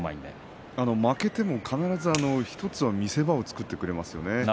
負けても見せ場を作ってくれますよね。